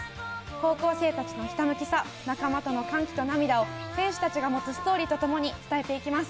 高校生たちのひたむきさ選手たちが持つストーリーとともに伝えていきます。